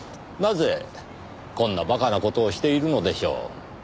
なぜこんな馬鹿な事をしているのでしょう？